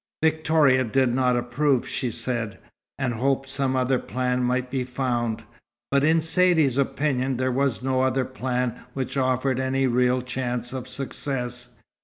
Victoria did not approve, she said, and hoped some other plan might be found; but in Saidee's opinion there was no other plan which offered any real chance of success.